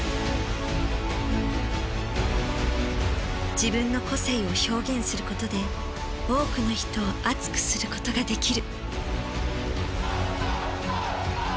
自分の個性を表現することで多くの人を熱くすることができる。